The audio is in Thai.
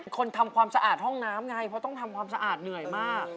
ทำความสะอาดห้องน้ำไงเพราะต้องทำความสะอาดเหนื่อยมาก